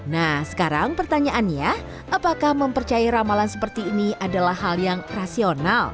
nah sekarang pertanyaannya apakah mempercayai ramalan seperti ini adalah hal yang rasional